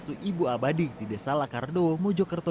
dari berbagai daerah yang ditangani